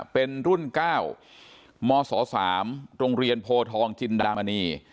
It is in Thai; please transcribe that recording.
เป็นรุ่น๙มศ๓โรงเรียนโพทองจินดามณี